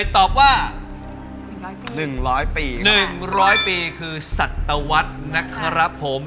ตอบว่า๑๐๐ปีคือสัตวัสตร์นะครับผม